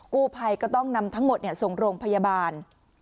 กู้ภัยก็ต้องนำทั้งหมดส่งโรงพยาบาล